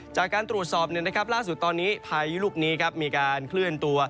จากการตรวจสอบล่าสุดตอนนี้พายุลูกนี้มีการเคลื่อนตัว